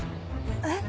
えっ？